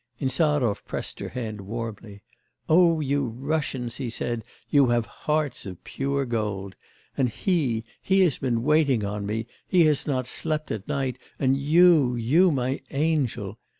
Insarov pressed her hand warmly. 'Oh you Russians,' he said, 'you have hearts of pure gold! And he, he has been waiting on me, he has not slept at night. And you, you, my angel....